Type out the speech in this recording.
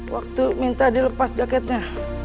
waktu minta dilepas jaketnya